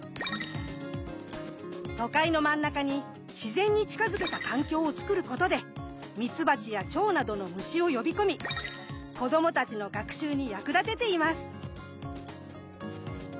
都会の真ん中に自然に近づけた環境をつくることでミツバチやチョウなどの虫を呼び込み子どもたちの学習に役立てています。